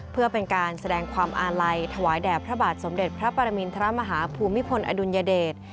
เพื่อเป็นการแสดงความอาลัยถวายแด่พระบาทสมเด็จพระปรมินทรมาฮาภูมิพลอดุลยเดช